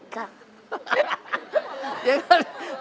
ครับ